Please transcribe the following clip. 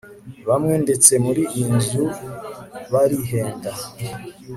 Bamwe ndetse muri iyi nzu barihenda